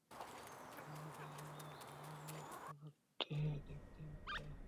এমনকি এখানেও, আমায় রক্ত ঝড়তে দেখতে হচ্ছে।